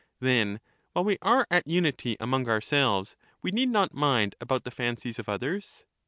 Then while we are at unity among ourselves, we need not mind about the fancies of others